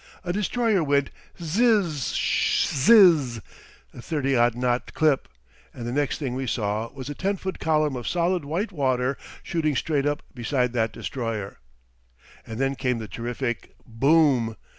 A destroyer went zizz sh zizz a thirty odd knot clip and the next thing we saw was a ten foot column of solid white water shooting straight up beside that destroyer. And then came the terrific Bo o om!